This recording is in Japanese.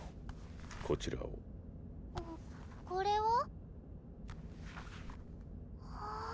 こちらをこれは？